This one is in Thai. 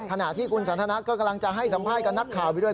ขณะที่คุณสันทนาก็กำลังจะให้สัมภาษณ์กับนักข่าวไปด้วย